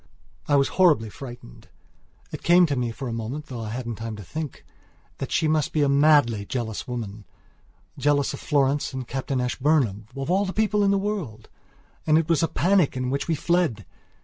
I was horribly frightened. It came to me for a moment, though I hadn't time to think it, that she must be a madly jealous womanjealous of Florence and Captain Ashburnham, of all people in the world! And it was a panic in which we fled!